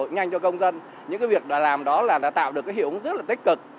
nhanh cho công dân những cái việc làm đó là đã tạo được cái hiệu ứng rất là tích cực